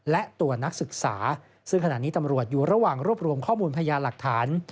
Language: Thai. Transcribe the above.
และตัวนักศึกษาซึ่งขณะนี้ตำรวจอยู่ระหว่างรวบรวมข้อมูลพญาหลักฐาน